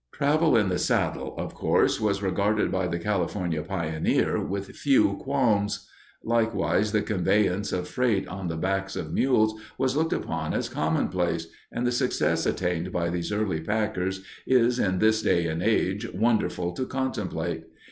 Travel in the saddle, of course, was regarded by the California pioneer with few qualms. Likewise, the conveyance of freight on the backs of mules was looked upon as commonplace, and the success attained by those early packers is, in this day and age, wonderful to contemplate.